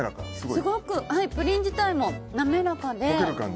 すごくプリン自体も滑らかで。